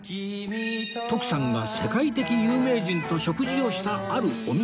徳さんが世界的有名人と食事をしたあるお店へ